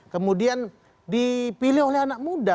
kemudian dipilih oleh anak muda